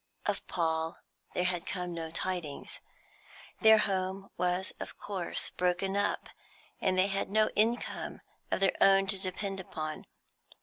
Of Paul there had come no tidings. Their home was of course broken up, and they had no income of their own to depend upon.